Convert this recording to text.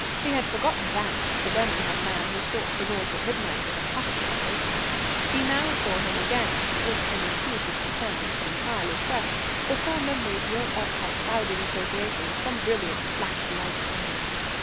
He had forgotten Vance, the Birmingham man who sought the North at midnight with a pocket compass. He now saw him again, with an intuitive discernment entirely fresh. Before memory brought up her clouding associations, some brilliance flashed a light upon him.